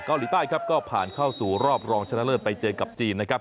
เกาหลีใต้ครับก็ผ่านเข้าสู่รอบรองชนะเลิศไปเจอกับจีนนะครับ